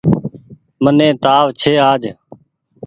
مني تآو ڇي آج۔